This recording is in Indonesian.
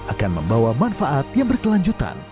akan membawa manfaat yang berkelanjutan